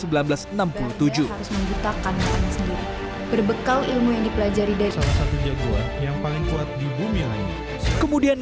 berbekal ilmu yang dipelajari dari salah satu jagoan yang paling kuat di bumi lainnya